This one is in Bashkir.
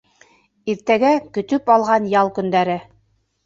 Иртәгә - көтөп алған ял көндәре.